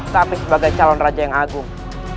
tapi sebagai calon raja yang agung